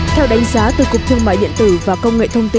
theo đánh giá từ cục thương mại điện tử và công nghệ thông tin